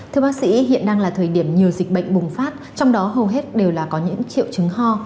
thưa bác sĩ hiện đang là thời điểm nhiều dịch bệnh bùng phát trong đó hầu hết đều là có những triệu chứng ho